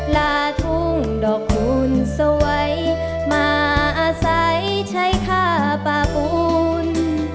ลาทุ่งดอกหลุนสวยมาอาศัยใช้ค่าปาปลาย